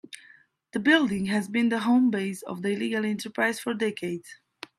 The building has been the home base of the illegal enterprise for decades.